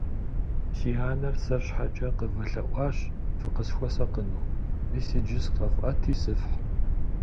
Си анэр сэр щхьэкӀэ къывэлъэӀуащ, фыкъысхуэсакъыну. Мис иджы сыкъэфӀэти сыфхь.